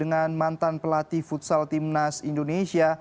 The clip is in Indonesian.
jepang terhubung via skype dengan mantan pelatih futsal tim nas indonesia